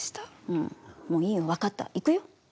うん、もういいよ分かった、行くよ。